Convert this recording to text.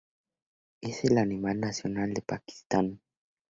Es el animal nacional de Pakistán.